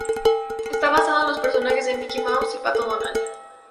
Está basado en los personajes de Mickey Mouse y Pato Donald.